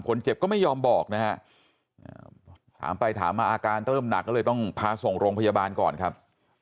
คนเจ็บก็ไม่ยอมบอกนะฮะถามไปถามมาอาการเริ่มหนักก็เลยต้องพาส่งโรงพยาบาลก่อนครับ